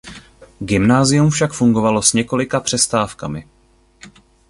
Gymnázium však fungovalo s několika přestávkami.